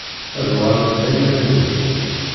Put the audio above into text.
Ad uɣalen d ayla-nwen.